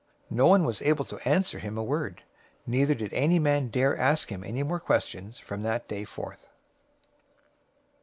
022:046 No one was able to answer him a word, neither did any man dare ask him any more questions from that day forth.